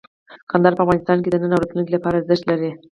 کندهار په افغانستان کې د نن او راتلونکي لپاره ارزښت لري.